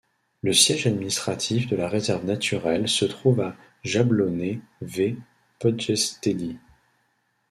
Le siège administratif de la réserve naturelle se trouve à Jablonné v Podještědí.